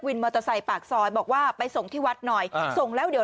มอเตอร์ไซค์ปากซอยบอกว่าไปส่งที่วัดหน่อยอ่าส่งแล้วเดี๋ยว